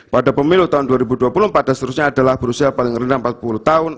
pada pemilu tahun dua ribu dua puluh empat dan seterusnya adalah berusia paling rendah empat puluh tahun